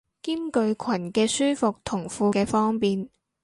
兼具裙嘅舒服同褲嘅方便